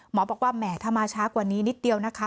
หมอบอกว่าแหมถ้ามาช้ากว่านี้นิดเดียวนะคะ